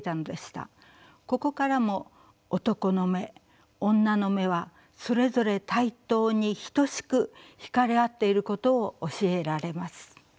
ここからも男の眼女の眼はそれぞれ対等にひとしく引かれ合っていることを教えられます。